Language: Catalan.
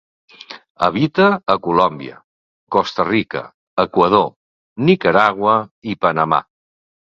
Habita a Colòmbia, Costa Rica, Equador, Nicaragua i Panamà.